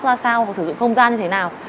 ra sao và sử dụng không gian như thế nào